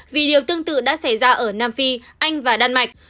vì điều tương tự đã xảy ra ở nam phi anh và đan mạch